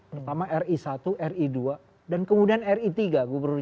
pertama ri satu ri dua dan kemudian ri tiga gubernur jakarta dan ri empat wakil gubernur